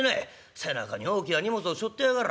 背中に大きな荷物をしょってやがら